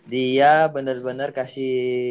dia bener bener kasih